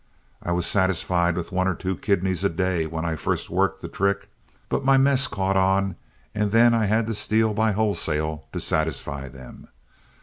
I was satisfied with one or two kidneys a day when I first worked the trick, but my mess caught on, and then I had to steal by wholesale to satisfy them.